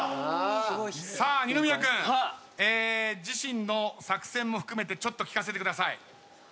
自身の作戦も含めてちょっと聞かせてください。